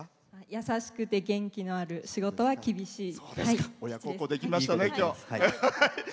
優しくて元気のある仕事は厳しい。